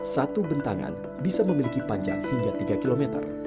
satu bentangan bisa memiliki panjang hingga tiga km